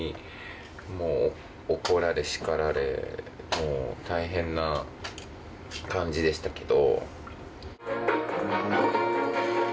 もう大変な感じでしたけど。